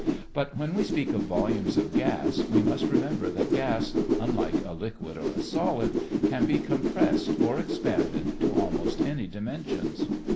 But when we speak of volumes of gas we must remember that gas, unlike a liquid or a solid, can be compressed or expanded to almost any dimensions.